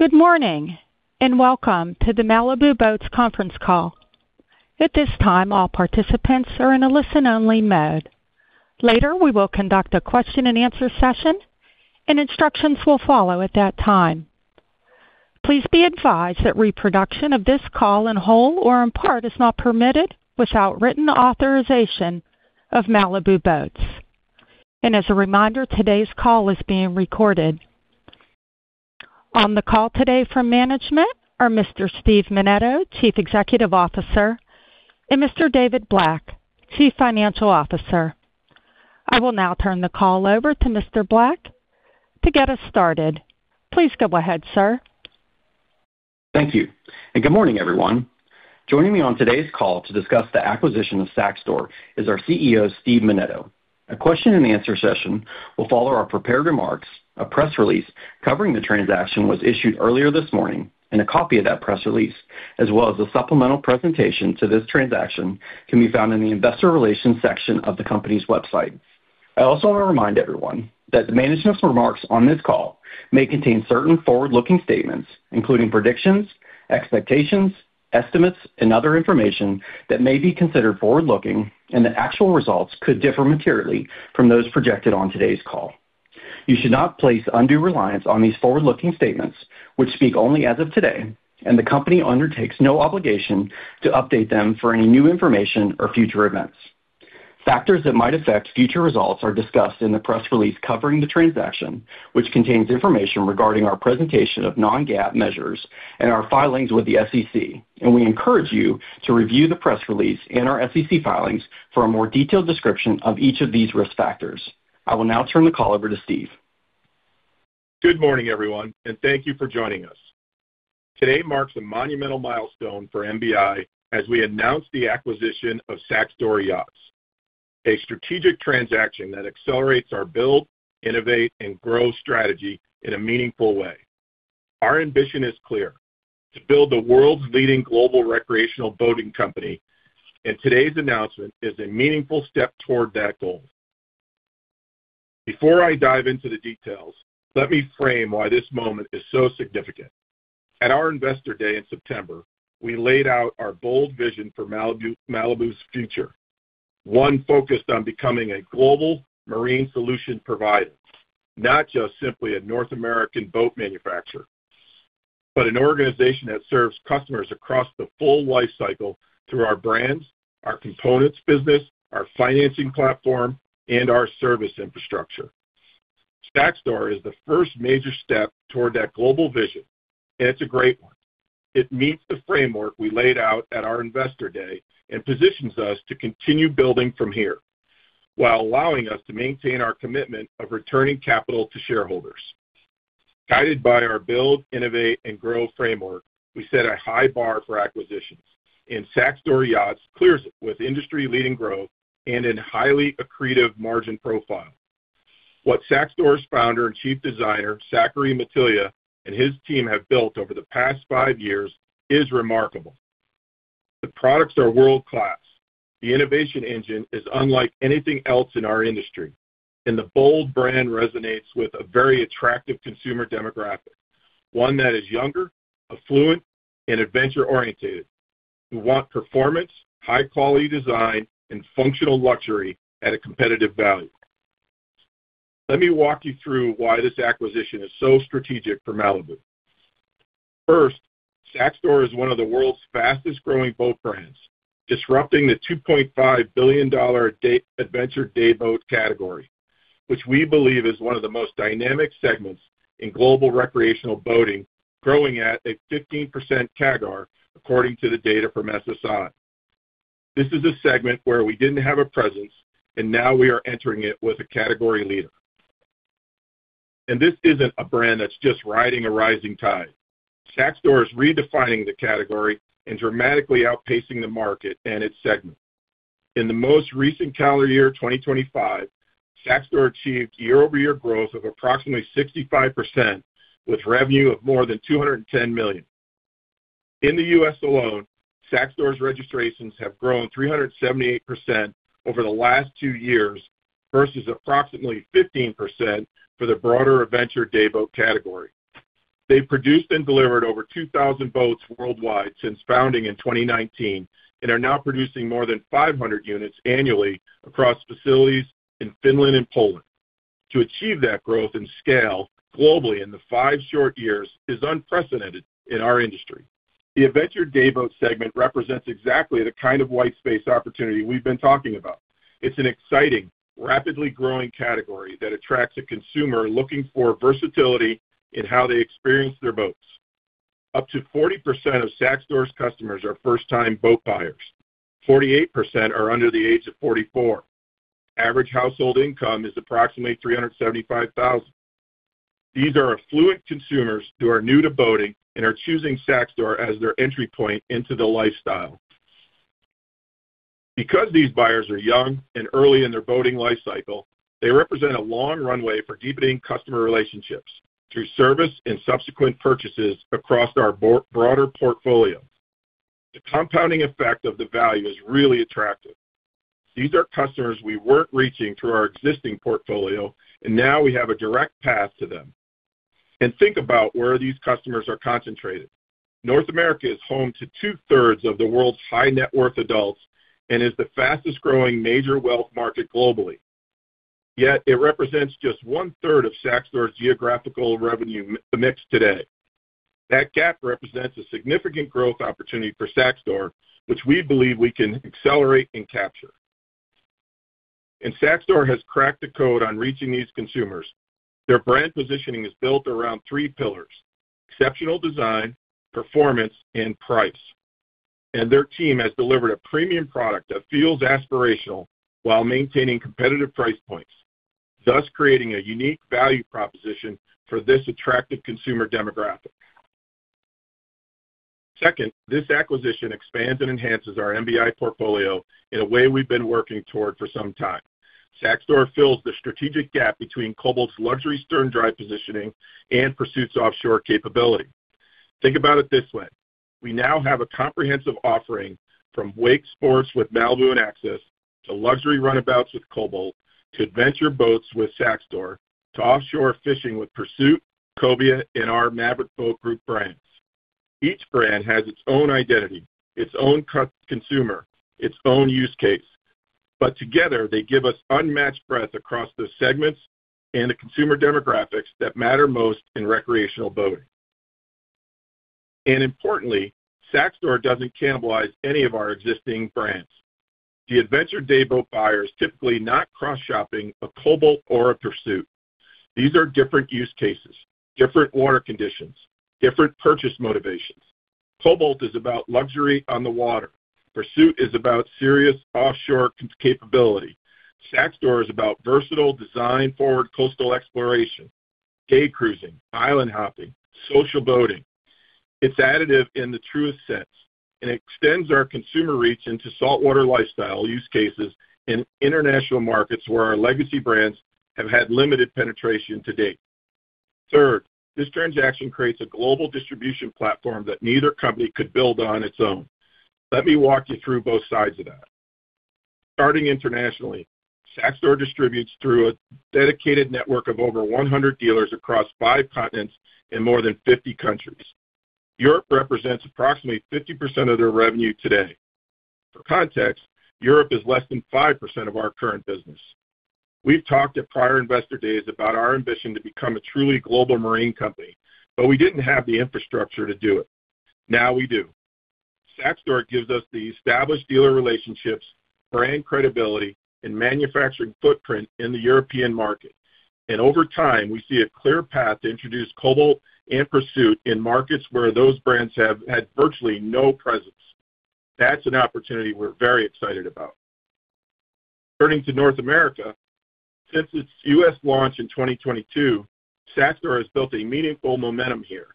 Good morning. Welcome to the Malibu Boats conference call. At this time, all participants are in a listen-only mode. Later, we will conduct a question-and-answer session, and instructions will follow at that time. Please be advised that reproduction of this call in whole or in part is not permitted without written authorization of Malibu Boats. As a reminder, today's call is being recorded. On the call today from management are Mr. Steven Menneto, Chief Executive Officer, and Mr. David Black, Chief Financial Officer. I will now turn the call over to Mr. Black to get us started. Please go ahead, sir. Thank you. Good morning, everyone. Joining me on today's call to discuss the acquisition of Saxdor is our CEO, Steven Menneto. A question-and-answer session will follow our prepared remarks. A press release covering the transaction was issued earlier this morning. A copy of that press release, as well as a supplemental presentation to this transaction, can be found in the investor relations section of the company's website. I also want to remind everyone that the management's remarks on this call may contain certain forward-looking statements, including predictions, expectations, estimates, and other information that may be considered forward-looking. The actual results could differ materially from those projected on today's call. You should not place undue reliance on these forward-looking statements, which speak only as of today. The company undertakes no obligation to update them for any new information or future events. Factors that might affect future results are discussed in the press release covering the transaction, which contains information regarding our presentation of non-GAAP measures and our filings with the SEC. We encourage you to review the press release and our SEC filings for a more detailed description of each of these risk factors. I will now turn the call over to Steve. Good morning, everyone. Thank you for joining us. Today marks a monumental milestone for MBI as we announce the acquisition of Saxdor Yachts, a strategic transaction that accelerates our build, innovate, and grow strategy in a meaningful way. Our ambition is clear: to build the world's leading global recreational boating company, and today's announcement is a meaningful step toward that goal. Before I dive into the details, let me frame why this moment is so significant. At our Investor Day in September, we laid out our bold vision for Malibu's future. One focused on becoming a global marine solution provider, not just simply a North American boat manufacturer, but an organization that serves customers across the full life cycle through our brands, our components business, our financing platform, and our service infrastructure. Saxdor is the first major step toward that global vision, and it's a great one. It meets the framework we laid out at our Investor Day and positions us to continue building from here while allowing us to maintain our commitment of returning capital to shareholders. Guided by our build, innovate, and grow framework, we set a high bar for acquisitions, and Saxdor Yachts clears it with industry-leading growth and in highly accretive margin profile. What Saxdor's Founder and Chief Designer, Sakari Mattila, and his team have built over the past five years is remarkable. The products are world-class, the innovation engine is unlike anything else in our industry, and the bold brand resonates with a very attractive consumer demographic, one that is younger, affluent, and adventure-orientated, who want performance, high-quality design, and functional luxury at a competitive value. Let me walk you through why this acquisition is so strategic for Malibu. Saxdor is one of the world's fastest-growing boat brands, disrupting the $2.5 billion adventure dayboat category, which we believe is one of the most dynamic segments in global recreational boating, growing at a 15% CAGR according to the data from SSI. This is a segment where we didn't have a presence, now we are entering it with a category leader. This isn't a brand that's just riding a rising tide. Saxdor is redefining the category and dramatically outpacing the market and its segment. In the most recent calendar year, 2025, Saxdor achieved year-over-year growth of approximately 65%, with revenue of more than $210 million. In the U.S. alone, Saxdor's registrations have grown 378% over the last two years versus approximately 15% for the broader adventure dayboat category. They've produced and delivered over 2,000 boats worldwide since founding in 2019 and are now producing more than 500 units annually across facilities in Finland and Poland. To achieve that growth and scale globally in the five short years is unprecedented in our industry. The adventure dayboat segment represents exactly the kind of white space opportunity we've been talking about. It's an exciting, rapidly growing category that attracts a consumer looking for versatility in how they experience their boats. Up to 40% of Saxdor's customers are first-time boat buyers. 48% are under the age of 44. Average household income is approximately $375,000. These are affluent consumers who are new to boating and are choosing Saxdor as their entry point into the lifestyle. Because these buyers are young and early in their boating life cycle, they represent a long runway for deepening customer relationships through service and subsequent purchases across our broader portfolio. The compounding effect of the value is really attractive. These are customers we weren't reaching through our existing portfolio, and now we have a direct path to them. Think about where these customers are concentrated. North America is home to 2/3 of the world's high-net-worth adults and is the fastest-growing major wealth market globally. Yet it represents just 1/3 of Saxdor's geographical revenue mix today. That gap represents a significant growth opportunity for Saxdor, which we believe we can accelerate and capture. Saxdor has cracked the code on reaching these consumers. Their brand positioning is built around three pillars: exceptional design, performance, and price. Their team has delivered a premium product that feels aspirational while maintaining competitive price points, thus creating a unique value proposition for this attractive consumer demographic. Second, this acquisition expands and enhances our MBI portfolio in a way we've been working toward for some time. Saxdor fills the strategic gap between Cobalt's luxury sterndrive positioning and Pursuit's offshore capability. Think about it this way. We now have a comprehensive offering from wake sports with Malibu and Axis to luxury runabouts with Cobalt to adventure boats with Saxdor to offshore fishing with Pursuit, Cobia, and our Maverick Boat Group brands. Each brand has its own identity, its own customer, its own use case, but together, they give us unmatched breadth across those segments and the consumer demographics that matter most in recreational boating. Importantly, Saxdor doesn't cannibalize any of our existing brands. The adventure dayboat buyer is typically not cross-shopping a Cobalt or a Pursuit. These are different use cases, different water conditions, different purchase motivations. Cobalt is about luxury on the water. Pursuit is about serious offshore capability. Saxdor is about versatile design for coastal exploration, day cruising, island hopping, social boating. It's additive in the truest sense, and extends our consumer reach into saltwater lifestyle use cases in international markets where our legacy brands have had limited penetration to date. Third, this transaction creates a global distribution platform that neither company could build on its own. Let me walk you through both sides of that. Starting internationally, Saxdor distributes through a dedicated network of over 100 dealers across five continents in more than 50 countries. Europe represents approximately 50% of their revenue today. For context, Europe is less than 5% of our current business. We've talked at prior Investor Day about our ambition to become a truly global marine company. We didn't have the infrastructure to do it. Now we do. Saxdor gives us the established dealer relationships, brand credibility, and manufacturing footprint in the European market. Over time, we see a clear path to introduce Cobalt and Pursuit in markets where those brands have had virtually no presence. That's an opportunity we're very excited about. Turning to North America. Since its U.S. launch in 2022, Saxdor has built a meaningful momentum here.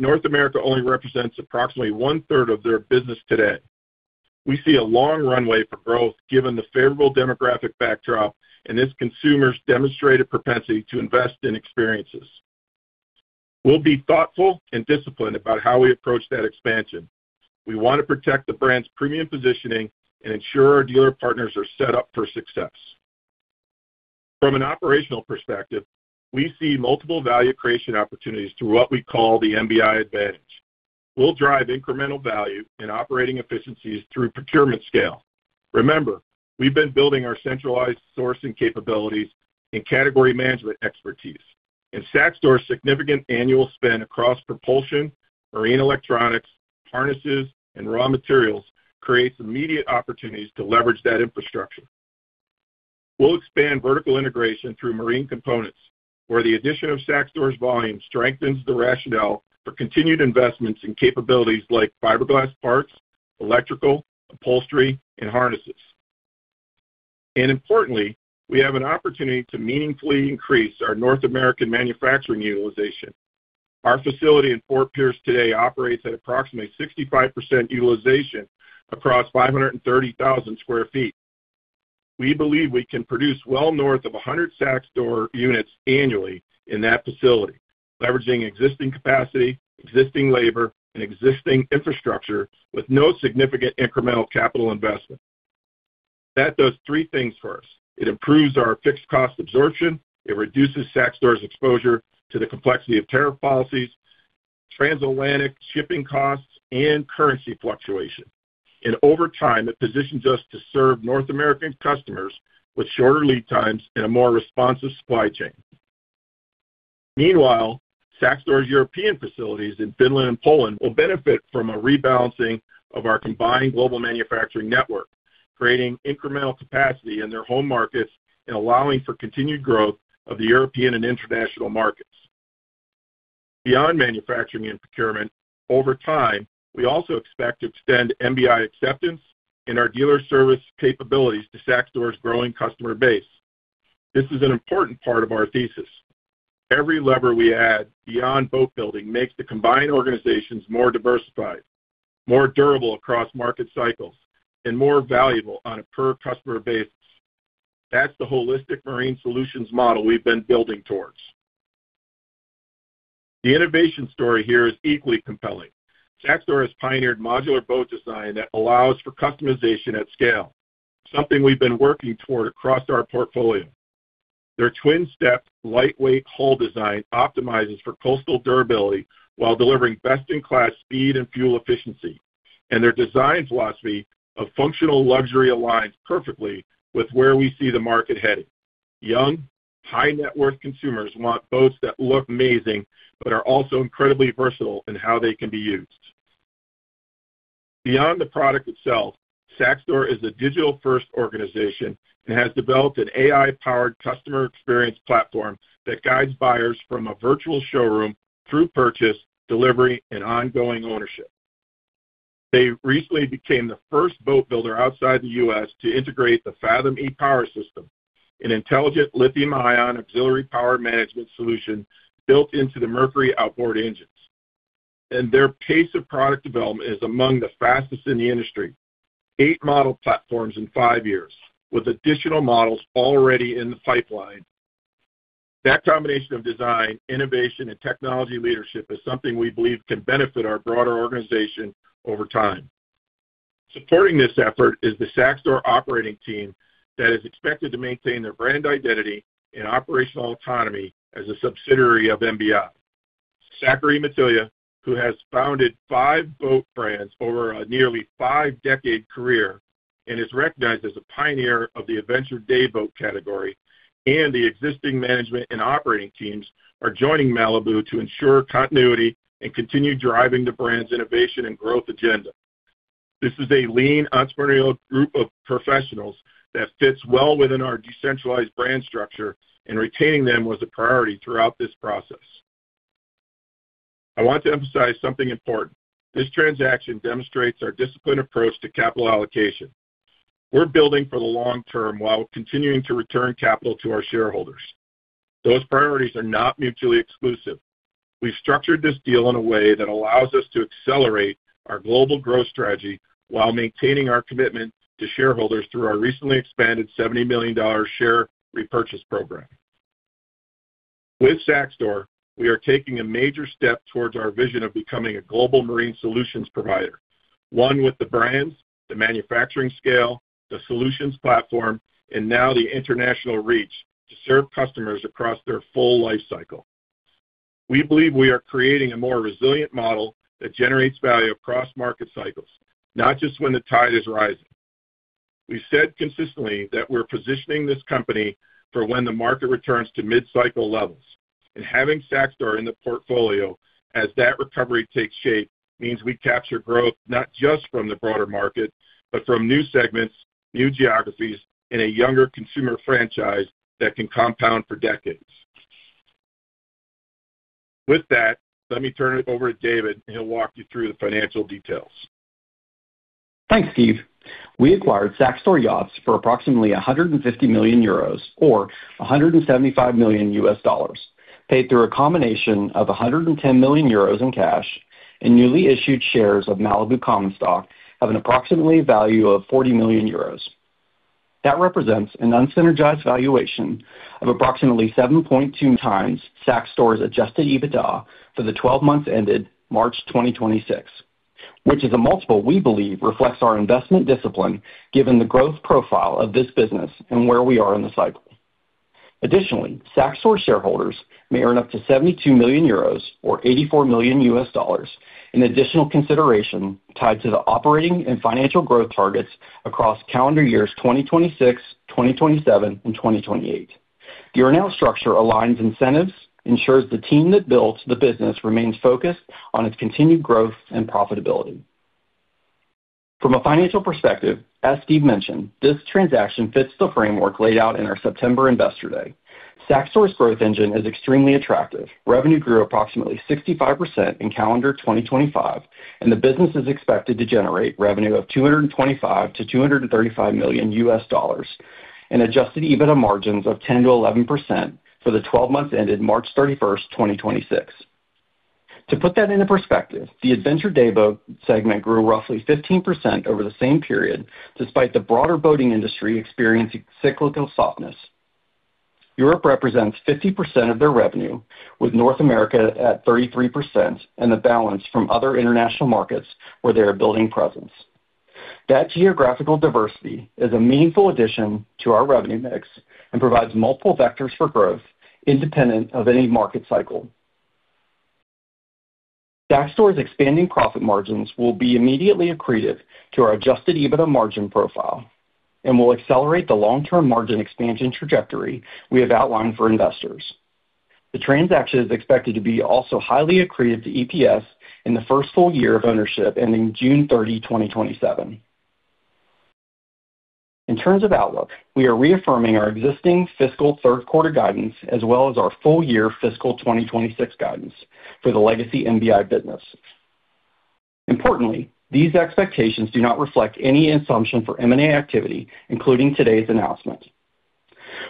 North America only represents approximately 1/3 of their business today. We see a long runway for growth given the favorable demographic backdrop and its consumers' demonstrated propensity to invest in experiences. We'll be thoughtful and disciplined about how we approach that expansion. We want to protect the brand's premium positioning and ensure our dealer partners are set up for success. From an operational perspective, we see multiple value creation opportunities through what we call the MBI Advantage. We'll drive incremental value in operating efficiencies through procurement scale. Remember, we've been building our centralized sourcing capabilities and category management expertise. Saxdor's significant annual spend across propulsion, marine electronics, harnesses, and raw materials creates immediate opportunities to leverage that infrastructure. We'll expand vertical integration through Marine Components, where the addition of Saxdor's volume strengthens the rationale for continued investments in capabilities like fiberglass parts, electrical, upholstery, and harnesses. Importantly, we have an opportunity to meaningfully increase our North American manufacturing utilization. Our facility in Fort Pierce today operates at approximately 65% utilization across 530,000 sq ft. We believe we can produce well north of 100 Saxdor units annually in that facility, leveraging existing capacity, existing labor, and existing infrastructure with no significant incremental capital investment. That does three things for us. It improves our fixed cost absorption. It reduces Saxdor's exposure to the complexity of tariff policies, transatlantic shipping costs, and currency fluctuation. Over time, it positions us to serve North American customers with shorter lead times and a more responsive supply chain. Meanwhile, Saxdor's European facilities in Finland and Poland will benefit from a rebalancing of our combined global manufacturing network, creating incremental capacity in their home markets and allowing for continued growth of the European and international markets. Beyond manufacturing and procurement, over time, we also expect to extend MBI acceptance and our dealer service capabilities to Saxdor's growing customer base. This is an important part of our thesis. Every lever we add beyond boat building makes the combined organizations more diversified, more durable across market cycles, and more valuable on a per customer basis. That's the holistic marine solutions model we've been building towards. The innovation story here is equally compelling. Saxdor has pioneered modular boat design that allows for customization at scale, something we've been working toward across our portfolio. Their twin step lightweight hull design optimizes for coastal durability while delivering best in class speed and fuel efficiency. Their design philosophy of functional luxury aligns perfectly with where we see the market heading. Young, high net worth consumers want boats that look amazing but are also incredibly versatile in how they can be used. Beyond the product itself, Saxdor is a digital first organization and has developed an AI-powered customer experience platform that guides buyers from a virtual showroom through purchase, delivery and ongoing ownership. They recently became the first boat builder outside the U.S. to integrate the Fathom e-Power System, an intelligent lithium ion auxiliary power management solution built into the Mercury outboard engines. Their pace of product development is among the fastest in the industry. Eight model platforms in five years with additional models already in the pipeline. That combination of design, innovation and technology leadership is something we believe can benefit our broader organization over time. Supporting this effort is the Saxdor operating team that is expected to maintain their brand identity and operational autonomy as a subsidiary of MBI. Sakari Mattila, who has founded five boat brands over a nearly five-decade career and is recognized as a pioneer of the adventure dayboat category, and the existing management and operating teams are joining Malibu to ensure continuity and continue driving the brand's innovation and growth agenda. This is a lean, entrepreneurial group of professionals that fits well within our decentralized brand structure. Retaining them was a priority throughout this process. I want to emphasize something important. This transaction demonstrates our disciplined approach to capital allocation. We're building for the long term while continuing to return capital to our shareholders. Those priorities are not mutually exclusive. We've structured this deal in a way that allows us to accelerate our global growth strategy while maintaining our commitment to shareholders through our recently expanded $70 million share repurchase program. With Saxdor, we are taking a major step towards our vision of becoming a global marine solutions provider, one with the brands, the manufacturing scale, the solutions platform, and now the international reach to serve customers across their full life cycle. We believe we are creating a more resilient model that generates value across market cycles, not just when the tide is rising. We've said consistently that we're positioning this company for when the market returns to mid-cycle levels, and having Saxdor in the portfolio as that recovery takes shape means we capture growth not just from the broader market, but from new segments, new geographies, and a younger consumer franchise that can compound for decades. With that, let me turn it over to David, and he'll walk you through the financial details. Thanks, Steve. We acquired Saxdor Yachts for approximately 150 million euros or $175 million, paid through a combination of 110 million euros in cash and newly issued shares of Malibu common stock of an approximately value of 40 million euros. That represents an unsynergized valuation of approximately 7.2x Saxdor's Adjusted EBITDA for the 12 months ended March 2026, which is a multiple we believe reflects our investment discipline given the growth profile of this business and where we are in the cycle. Additionally, Saxdor shareholders may earn up to 72 million euros or $84 million in additional consideration tied to the operating and financial growth targets across calendar years 2026, 2027, and 2028. The earn out structure aligns incentives, ensures the team that builds the business remains focused on its continued growth and profitability. From a financial perspective, as Steve mentioned, this transaction fits the framework laid out in our September Investor Day. Saxdor's growth engine is extremely attractive. Revenue grew approximately 65% in calendar 2025. The business is expected to generate revenue of $225 million-$235 million and Adjusted EBITDA margins of 10%-11% for the 12 months ended March 31st, 2026. To put that into perspective, the adventure dayboat segment grew roughly 15% over the same period, despite the broader boating industry experiencing cyclical softness. Europe represents 50% of their revenue, with North America at 33% and the balance from other international markets where they are building presence. That geographical diversity is a meaningful addition to our revenue mix and provides multiple vectors for growth independent of any market cycle. Saxdor's expanding profit margins will be immediately accretive to our Adjusted EBITDA margin profile and will accelerate the long-term margin expansion trajectory we have outlined for investors. The transaction is expected to be also highly accretive to EPS in the first full year of ownership ending June 30, 2027. In terms of outlook, we are reaffirming our existing fiscal third quarter guidance as well as our full year fiscal 2026 guidance for the legacy MBI business. Importantly, these expectations do not reflect any assumption for M&A activity, including today's announcement.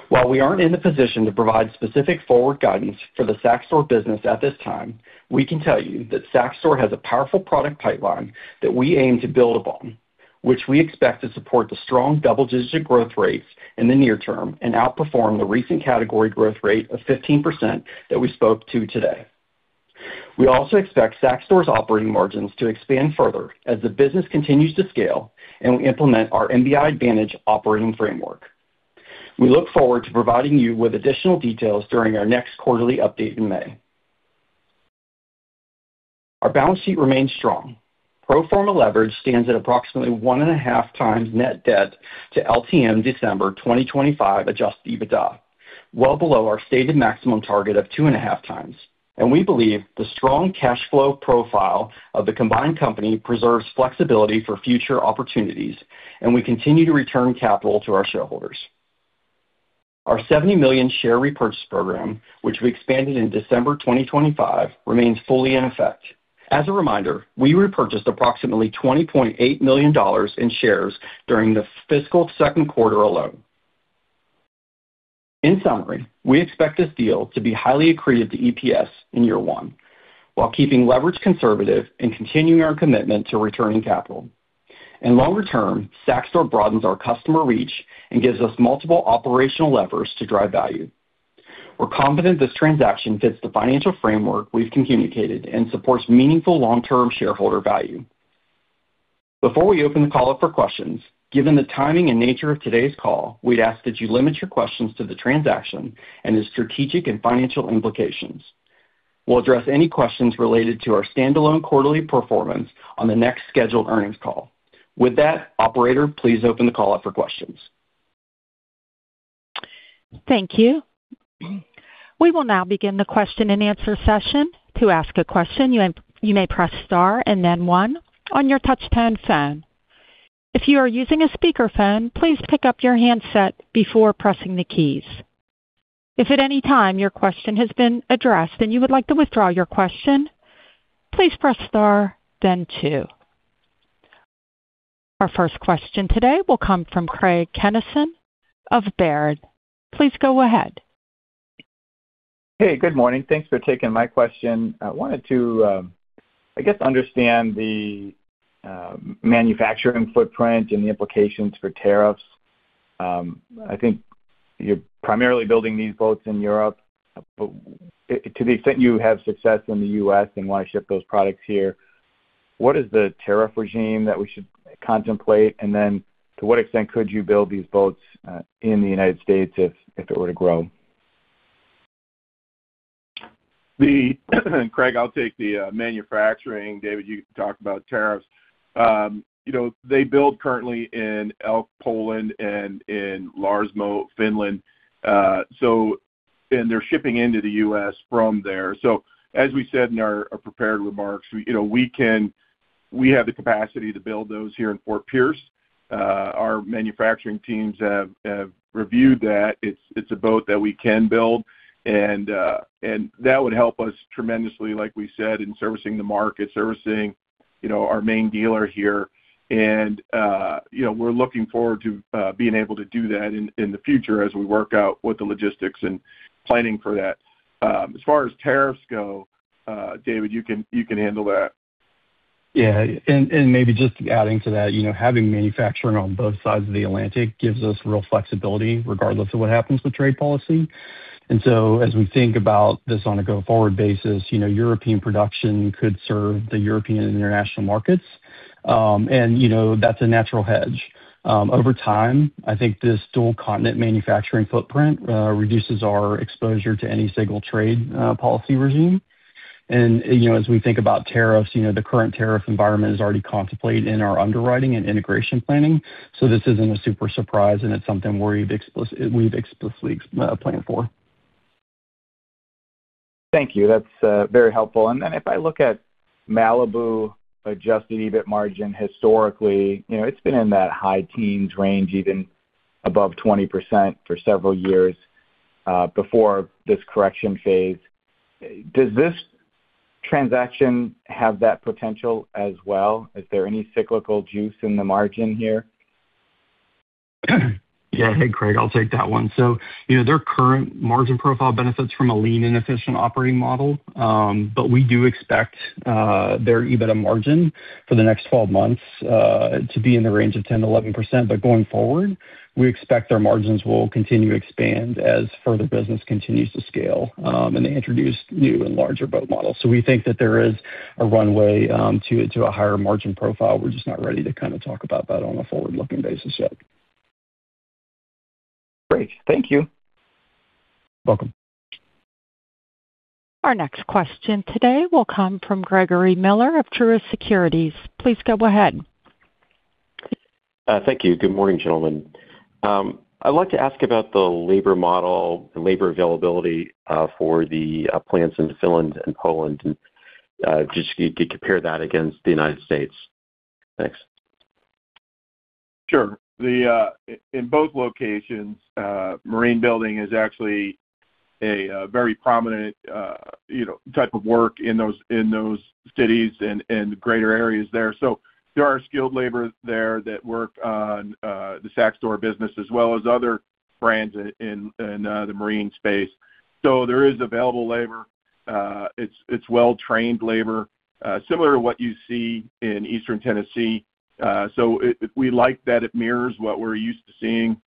While we aren't in the position to provide specific forward guidance for the Saxdor business at this time, we can tell you that Saxdor has a powerful product pipeline that we aim to build upon. We expect to support the strong double-digit growth rates in the near term and outperform the recent category growth rate of 15% that we spoke to today. We also expect Saxdor's operating margins to expand further as the business continues to scale and we implement our MBI Advantage operating framework. We look forward to providing you with additional details during our next quarterly update in May. Our balance sheet remains strong. Pro forma leverage stands at approximately 1.5x net debt to LTM December 2025 Adjusted EBITDA, well below our stated maximum target of 2.5x. We believe the strong cash flow profile of the combined company preserves flexibility for future opportunities, and we continue to return capital to our shareholders. Our 70 million share repurchase program, which we expanded in December 2025, remains fully in effect. As a reminder, we repurchased approximately $20.8 million in shares during the fiscal second quarter alone. In summary, we expect this deal to be highly accretive to EPS in year one while keeping leverage conservative and continuing our commitment to returning capital. In longer term, Saxdor broadens our customer reach and gives us multiple operational levers to drive value. We're confident this transaction fits the financial framework we've communicated and supports meaningful long-term shareholder value. Before we open the call up for questions, given the timing and nature of today's call, we'd ask that you limit your questions to the transaction and its strategic and financial implications. We'll address any questions related to our standalone quarterly performance on the next scheduled earnings call. With that, operator, please open the call up for questions. Thank you. We will now begin the question-and-answer session. To ask a question, you may press star and then one on your touch-tone phone. If you are using a speakerphone, please pick up your handset before pressing the keys. If at any time your question has been addressed and you would like to withdraw your question, please press star then two. Our first question today will come from Craig Kennison of Baird. Please go ahead. Hey, good morning. Thanks for taking my question. I wanted to, I guess, understand the manufacturing footprint and the implications for tariffs. I think you're primarily building these boats in Europe, but to the extent you have success in the U.S. and want to ship those products here, what is the tariff regime that we should contemplate? Then to what extent could you build these boats, in the United States if it were to grow? Craig, I'll take the manufacturing. David, you can talk about tariffs. You know, they build currently in Ełk, Poland and in Larsmo, Finland. They're shipping into the U.S. from there. As we said in our prepared remarks, you know, we have the capacity to build those here in Fort Pierce. Our manufacturing teams have reviewed that. It's a boat that we can build, and that would help us tremendously, like we said, in servicing the market, servicing, you know, our main dealer here. You know, we're looking forward to being able to do that in the future as we work out what the logistics and planning for that. As far as tariffs go, David, you can handle that. Yeah, and maybe just adding to that, you know, having manufacturing on both sides of the Atlantic gives us real flexibility regardless of what happens with trade policy. As we think about this on a go-forward basis, you know, European production could serve the European and international markets. You know, that's a natural hedge. Over time, I think this dual continent manufacturing footprint reduces our exposure to any single trade policy regime. You know, as we think about tariffs, you know, the current tariff environment is already contemplated in our underwriting and integration planning. This isn't a super surprise, and it's something we've explicitly planned for. Thank you. That's very helpful. Then if I look at Malibu adjusted EBIT margin historically, you know, it's been in that high teens range, even above 20% for several years before this correction phase. Does this transaction have that potential as well? Is there any cyclical juice in the margin here? Yeah. Hey, Craig, I'll take that one. You know, their current margin profile benefits from a lean and efficient operating model. We do expect their EBITDA margin for the next 12 months to be in the range of 10%-11%. Going forward, we expect their margins will continue to expand as further business continues to scale and they introduce new and larger boat models. We think that there is a runway to a higher margin profile. We're just not ready to kind of talk about that on a forward-looking basis yet. Great. Thank you. Welcome. Our next question today will come from Gregory Miller of Truist Securities. Please go ahead. Thank you. Good morning, gentlemen. I'd like to ask about the labor model, the labor availability for the plants in Finland and Poland, and just to compare that against the United States. Thanks. Sure. The in both locations, marine building is actually a very prominent, you know, type of work in those, in those cities and greater areas there. There are skilled laborers there that work on the Saxdor business as well as other brands in the marine space. There is available labor. It's well-trained labor, similar to what you see in Eastern Tennessee. We like that it mirrors what we're used to seeing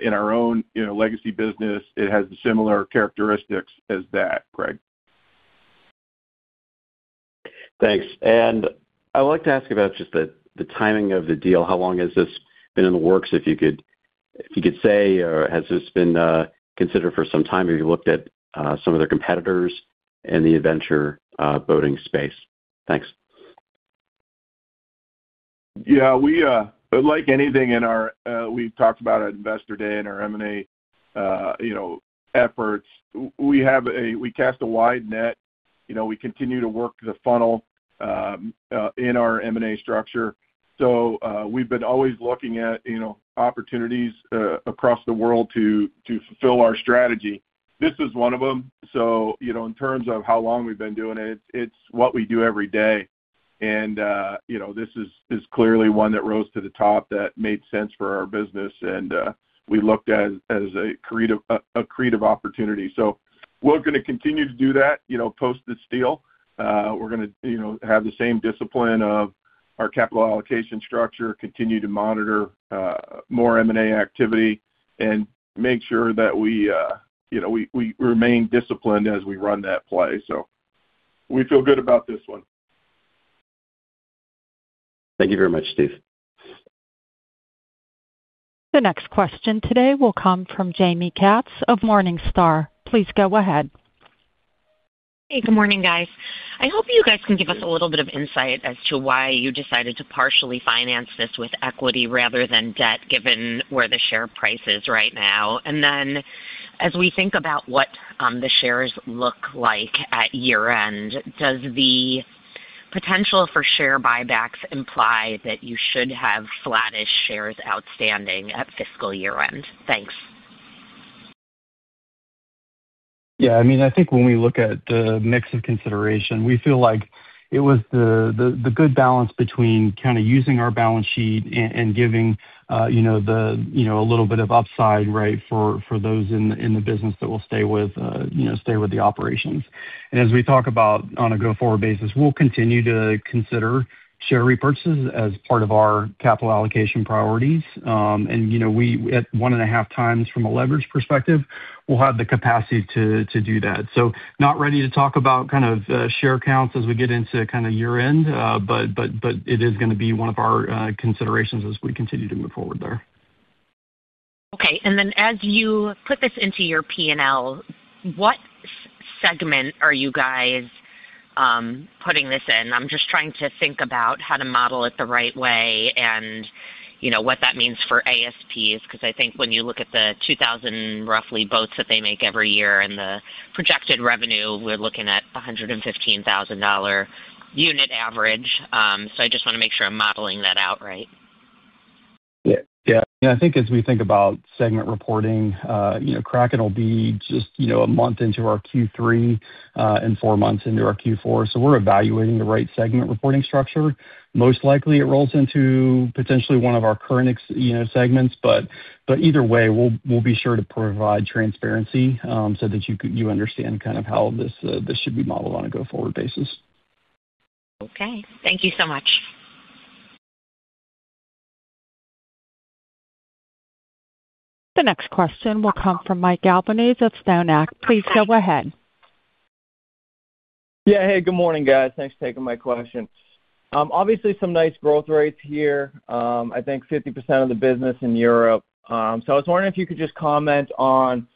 in our own, you know, legacy business. It has the similar characteristics as that, Greg. Thanks. I would like to ask about just the timing of the deal. How long has this been in the works, if you could say, or has this been considered for some time? Have you looked at some of their competitors in the adventure boating space? Thanks. Yeah, we like anything in our, we've talked about at Investor Day in our M&A, you know, efforts, we cast a wide net. You know, we continue to work the funnel in our M&A structure. We've been always looking at, you know, opportunities across the world to fulfill our strategy. This is one of them. You know, in terms of how long we've been doing it's what we do every day. You know, this is clearly one that rose to the top that made sense for our business. We looked at as a creative opportunity. We're gonna continue to do that, you know, post this deal. We're gonna, you know, have the same discipline of our capital allocation structure, continue to monitor more M&A activity and make sure that we, you know, we remain disciplined as we run that play. We feel good about this one. Thank you very much, Steve. The next question today will come from Jaime Katz of Morningstar. Please go ahead. Hey, good morning, guys. I hope you guys can give us a little bit of insight as to why you decided to partially finance this with equity rather than debt, given where the share price is right now. Then as we think about what, the shares look like at year-end, does the potential for share buybacks imply that you should have flattish shares outstanding at fiscal year-end? Thanks. I mean, I think when we look at the mix of consideration, we feel like it was the good balance between kind of using our balance sheet and giving, you know, a little bit of upside, right, for those in the business that will stay with, you know, stay with the operations. As we talk about on a go-forward basis, we'll continue to consider share repurchases as part of our capital allocation priorities. You know, we, at 1.5x from a leverage perspective, we'll have the capacity to do that. Not ready to talk about kind of share counts as we get into kind of year-end. But it is gonna be one of our considerations as we continue to move forward there. Okay. As you put this into your P&L, what segment are you guys putting this in? I'm just trying to think about how to model it the right way and, you know, what that means for ASPs, because I think when you look at the 2,000 roughly boats that they make every year and the projected revenue, we're looking at a $115,000 unit average. I just wanna make sure I'm modeling that out right. Yeah. Yeah. I think as we think about segment reporting, you know, Kraken will be just, you know, a month into our Q3, and four months into our Q4. We're evaluating the right segment reporting structure. Most likely, it rolls into potentially one of our current, you know, segments. But either way, we'll be sure to provide transparency, so that you understand kind of how this should be modeled on a go-forward basis. Okay. Thank you so much. The next question will come from Michael Albanese of Benchmark. Please go ahead. Yeah. Hey, good morning, guys. Thanks for taking my question. Obviously some nice growth rates here. I think 50% of the business in Europe. I was wondering if you could just comment on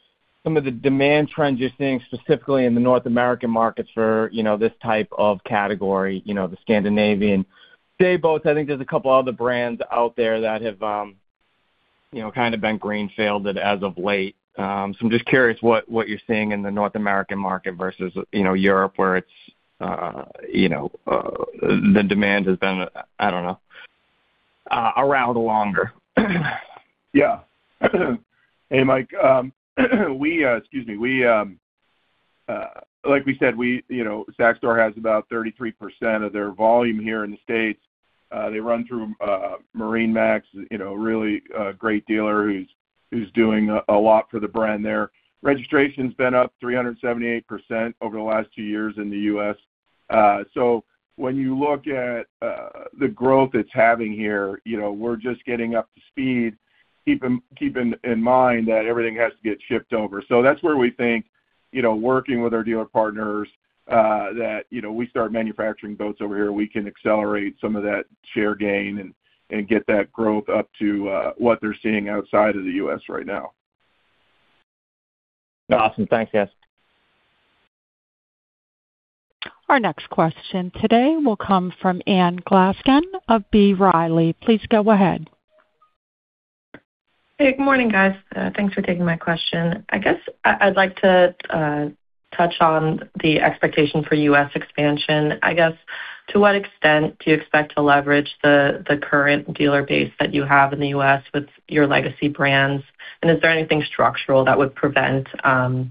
some of the demand trends you're seeing specifically in the North American markets for, you know, this type of category, you know, the Scandinavian day boats? I think there's a couple other brands out there that have, you know, kind of been greenfielded as of late. I'm just curious what you're seeing in the North American market versus, you know, Europe, where it's, you know, the demand has been, I don't know, around longer. Yeah. Hey, Mike. Um, we, uh, excuse me, we, um, uh, like we said, we, you know, Saxdor has about 33% of their volume here in the States. Uh, they run through, uh, MarineMax, you know, a really, uh, great dealer who's, who's doing a, a lot for the brand there. Registration's been up 378% over the last two years in the U.S. Uh, so when you look at, uh, the growth it's having here, you know, we're just getting up to speed, keeping, keeping in mind that everything has to get shipped over. So that's where we think, you know, working with our dealer partners, uh, that, you know, we start manufacturing boats over here, we can accelerate some of that share gain and, and get that growth up to, uh, what they're seeing outside of the U.S. right now. Awesome. Thanks, guys. Our next question today will come from Anna Glaessgen of B. Riley. Please go ahead. Hey, good morning, guys. Thanks for taking my question. I guess I'd like to touch on the expectation for U.S. expansion. I guess to what extent do you expect to leverage the current dealer base that you have in the U.S. with your legacy brands? Is there anything structural that would prevent, you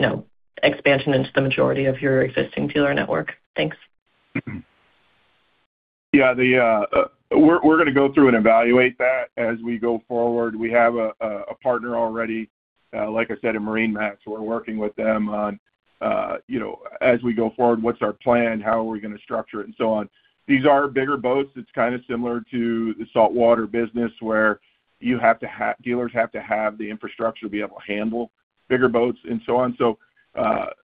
know, expansion into the majority of your existing dealer network? Thanks. Yeah, the, we're gonna go through and evaluate that as we go forward. We have a partner already, like I said, in MarineMax. We're working with them on, you know, as we go forward, what's our plan, how are we gonna structure it, and so on. These are bigger boats. It's kind of similar to the saltwater business, where you have to have the infrastructure to be able to handle bigger boats and so on.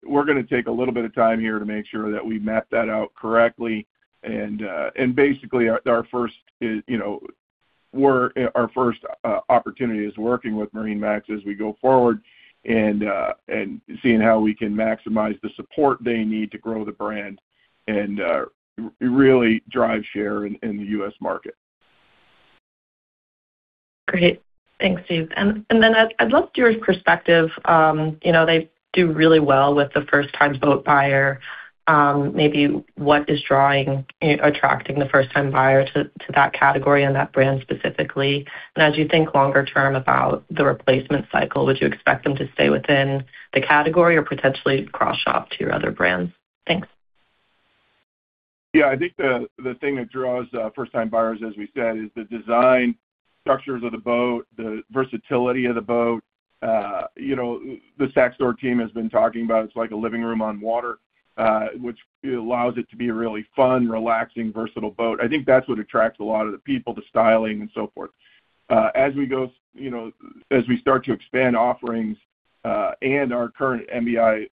We're gonna take a little bit of time here to make sure that we map that out correctly. Basically our first is, you know, our first opportunity is working with MarineMax as we go forward and seeing how we can maximize the support they need to grow the brand and really drive share in the U.S. market. Great. Thanks, Steve. Then I'd love your perspective, you know, they do really well with the first-time boat buyer. Maybe what is drawing, attracting the first-time buyer to that category and that brand specifically? As you think longer term about the replacement cycle, would you expect them to stay within the category or potentially cross off to your other brands? Thanks. Yeah. I think the thing that draws first-time buyers, as we said, is the design structures of the boat, the versatility of the boat. You know, the Saxdor team has been talking about it's like a living room on water, which allows it to be a really fun, relaxing, versatile boat. I think that's what attracts a lot of the people, the styling and so forth. As we go, you know, as we start to expand offerings, and our current MBI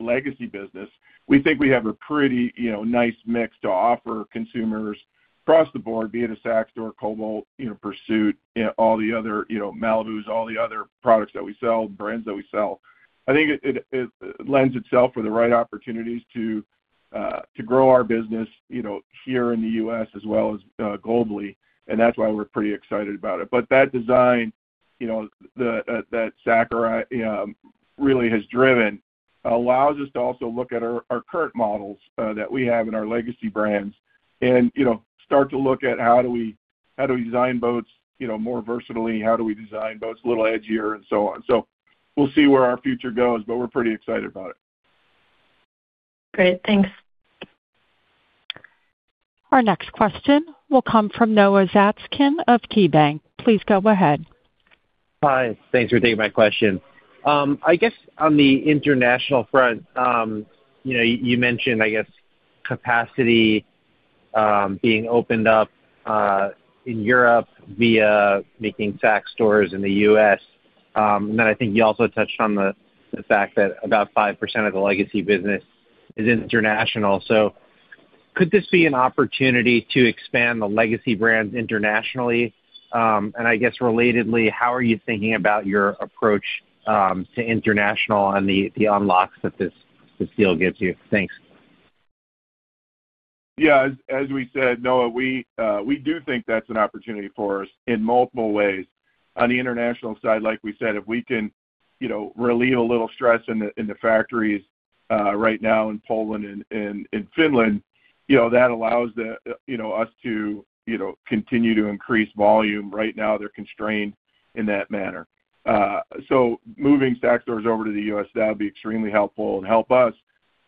legacy business, we think we have a pretty, you know, nice mix to offer consumers across the board, be it a Saxdor, Cobalt, you know, Pursuit, all the other, you know, Malibus, all the other products that we sell, brands that we sell. I think it lends itself for the right opportunities to grow our business, you know, here in the U.S. as well as globally. That's why we're pretty excited about it. That Sakura really has driven allows us to also look at our current models that we have in our legacy brands, you know, start to look at how do we design boats, you know, more versatility? How do we design boats a little edgier and so on. We'll see where our future goes, but we're pretty excited about it. Great. Thanks. Our next question will come from Noah Zatzkin of KeyBanc. Please go ahead. Hi. Thanks for taking my question. I guess on the international front, you know, you mentioned, I guess, capacity, being opened up in Europe via making Saxdor in the U.S. I think you also touched on the fact that about 5% of the legacy business is international. Could this be an opportunity to expand the legacy brands internationally? I guess relatedly, how are you thinking about your approach to international and the unlocks that this deal gives you? Thanks. Yeah. As we said, Noah, we do think that's an opportunity for us in multiple ways. On the international side, like we said, if we can, you know, relieve a little stress in the factories, right now in Poland and in Finland, you know, that allows the, you know, us to, you know, continue to increase volume. Right now, they're constrained in that manner. Moving Saxdor over to the U.S., that'll be extremely helpful and help us,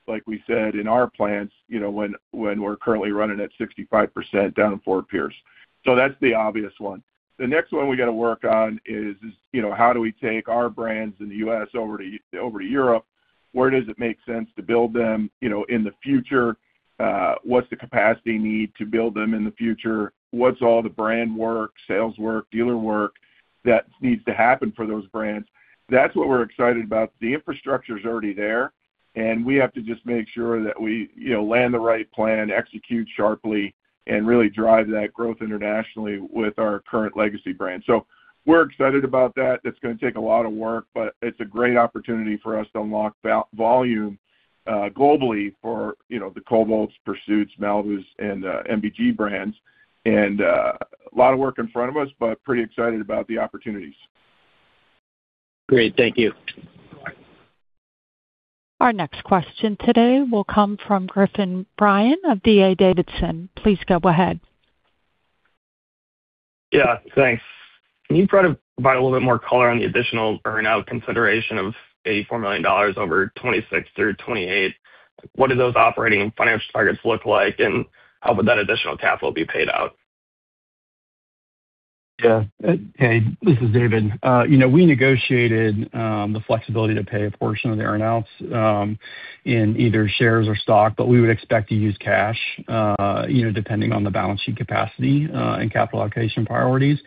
like we said, in our plants, you know, when we're currently running at 65% down in Fort Pierce. That's the obvious one. The next one we got to work on is, you know, how do we take our brands in the U.S. over to Europe? Where does it make sense to build them, you know, in the future? What's the capacity need to build them in the future? What's all the brand work, sales work, dealer work that needs to happen for those brands? That's what we're excited about. The infrastructure's already there, and we have to just make sure that we, you know, land the right plan, execute sharply, and really drive that growth internationally with our current legacy brands. We're excited about that. That's gonna take a lot of work, but it's a great opportunity for us to unlock volume globally for, you know, the Cobalts, Pursuits, Malibus, and MBG brands. A lot of work in front of us, but pretty excited about the opportunities. Great. Thank you. Our next question today will come from Griffin Bryan of D.A. Davidson. Please go ahead. Yeah, thanks. Can you provide a little bit more color on the additional earn-out consideration of $84 million over 2026-2028? What do those operating and financial targets look like, and how would that additional capital be paid out? Yeah. Hey, this is David. You know, we negotiated the flexibility to pay a portion of the earn-outs in either shares or stock, but we would expect to use cash, you know, depending on the balance sheet capacity and capital allocation priorities.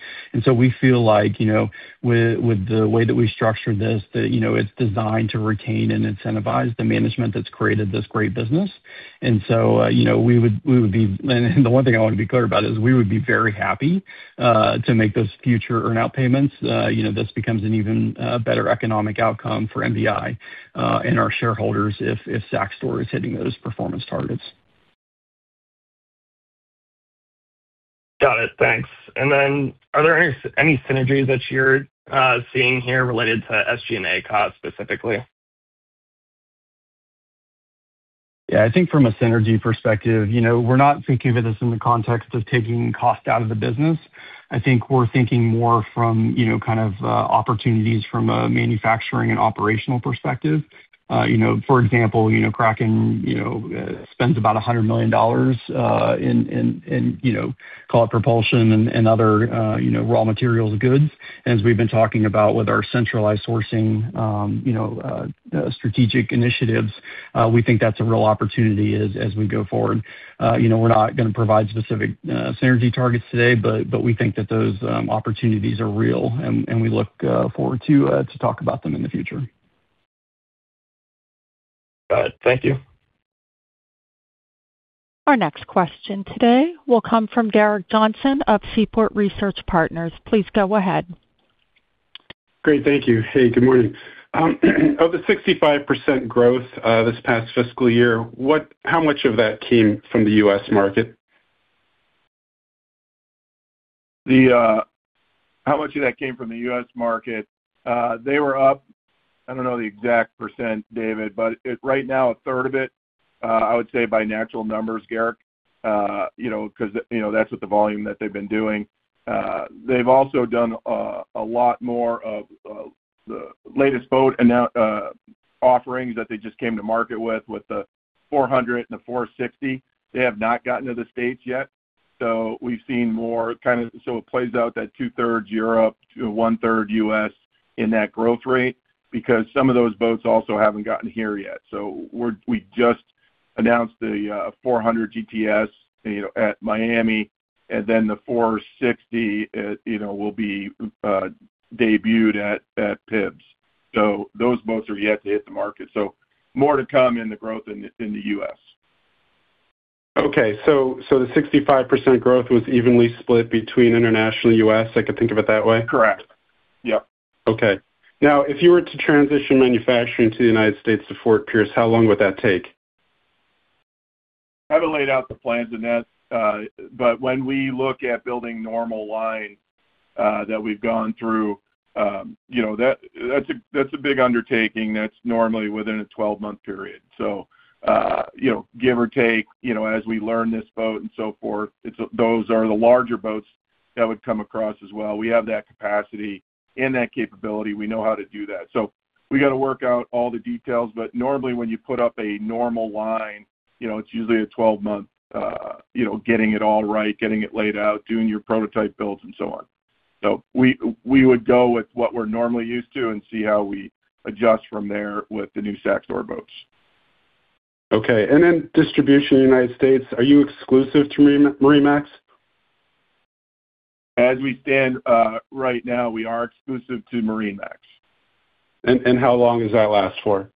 We feel like, you know, with the way that we structured this, that, you know, it's designed to retain and incentivize the management that's created this great business. You know, we would be. The one thing I want to be clear about is we would be very happy to make those future earn-out payments. You know, this becomes an even better economic outcome for MBI and our shareholders if Saxdor is hitting those performance targets. Got it. Thanks. Are there any synergies that you're seeing here related to SG&A costs specifically? Yeah, I think from a synergy perspective, you know, we're not thinking of this in the context of taking cost out of the business. I think we're thinking more from, you know, kind of opportunities from a manufacturing and operational perspective. You know, for example, you know, Kraken, you know, spends about $100 million in, you know, call it propulsion and other, you know, raw materials goods. As we've been talking about with our centralized sourcing, you know, strategic initiatives, we think that's a real opportunity as we go forward. You know, we're not gonna provide specific synergy targets today, but we think that those opportunities are real and we look forward to talk about them in the future. Got it. Thank you. Our next question today will come from Gerrick Johnson of Seaport Research Partners. Please go ahead. Great. Thank you. Hey, good morning. Of the 65% growth, this past fiscal year, how much of that came from the U.S. market? How much of that came from the U.S. market? They were up, I don't know the exact percent, David, but it's right now 1/3 of it, I would say by natural numbers, Gerrick. You know, 'cause, you know, that's what the volume that they've been doing. They've also done a lot more of the latest boat offerings that they just came to market with the 400 and the 460. They have not gotten to the States yet. We've seen more kind of. It plays out that 2/3 Europe to 1/3 U.S. in that growth rate because some of those boats also haven't gotten here yet. We just announced the 400 GTS, you know, at Miami, and then the 460, you know, will be debuted at PBIBS. Those boats are yet to hit the market. More to come in the growth in the U.S. Okay. The 65% growth was evenly split between international U.S. I could think of it that way? Correct. Yep. Okay. If you were to transition manufacturing to the United States to Fort Pierce, how long would that take? Haven't laid out the plans in that. When we look at building normal line, that we've gone through, you know, that's a, that's a big undertaking that's normally within a 12-month period. Give or take, you know, as we learn this boat and so forth, those are the larger boats that would come across as well. We have that capacity and that capability. We know how to do that. We gotta work out all the details. Normally, when you put up a normal line, you know, it's usually a 12-month, you know, getting it all right, getting it laid out, doing your prototype builds and so on. We, we would go with what we're normally used to and see how we adjust from there with the new Saxdor boats. Okay. Then distribution in the United States, are you exclusive to MarineMax? As we stand, right now, we are exclusive to MarineMax. How long does that last for?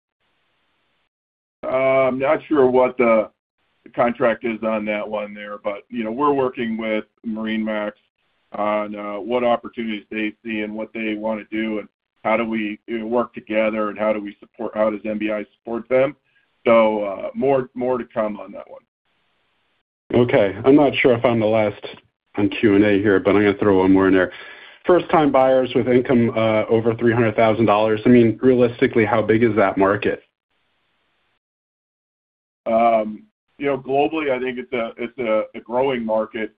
Not sure what the contract is on that one there. You know, we're working with MarineMax on what opportunities they see and what they wanna do and how do we work together and how does MBI support them. More, more to come on that one. Okay. I'm not sure if I'm the last on Q&A here, but I'm gonna throw one more in there. First-time buyers with income over $300,000, I mean, realistically, how big is that market? You know, globally, I think it's a, it's a growing market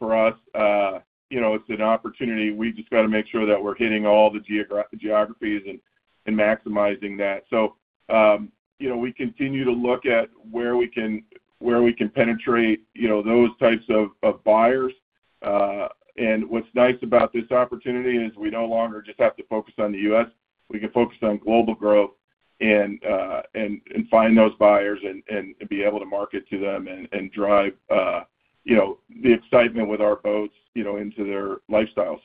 for us. You know, it's an opportunity. We just gotta make sure that we're hitting all the geographies and maximizing that. You know, we continue to look at where we can, where we can penetrate, you know, those types of buyers. What's nice about this opportunity is we no longer just have to focus on the U.S. We can focus on global growth and find those buyers and be able to market to them and drive, you know, the excitement with our boats, you know, into their lifestyle.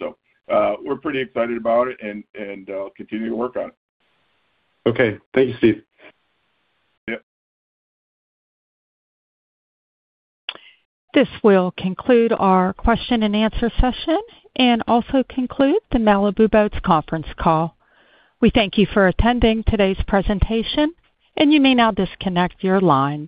We're pretty excited about it and continue to work on it. Okay. Thank you, Steve. Yep. This will conclude our question and answer session and also conclude the Malibu Boats conference call. We thank you for attending today's presentation, and you may now disconnect your line.